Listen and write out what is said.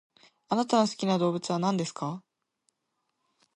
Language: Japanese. あなたの好きな動物は何ですか？